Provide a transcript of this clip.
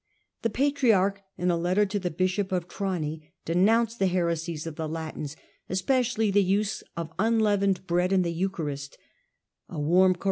The patriarch, in a letter to the bishop of Trani, denounced the heresies of the Latins, especially the use of un Leo'snego l^^veued bread in the Eucharist; a warm cor conrtftnt?